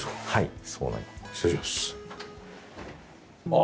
はい。